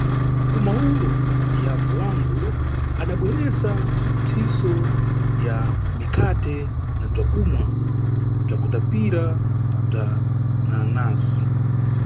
Kumawulo, yavu wangu adabweresa mpsiso ya mikate na bzakumwa bzakutapira bza nanazi.